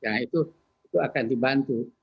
nah itu akan dibantu